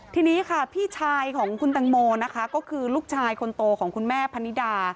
ทีนี้พี่ชายของคุณตังโมคือลูกชายคนโตของคุณแม่พันนิดา